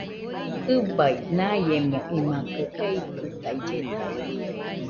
ɨbai, naiemo imakɨ eikɨtaillena